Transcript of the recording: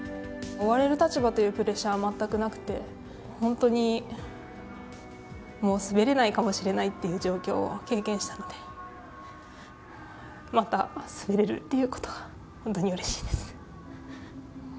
追われる立場というプレッシャーは全くなくて、本当に、もう滑れないかもしれないっていう状況を経験したので、また、滑れるということが本当にうれしいです。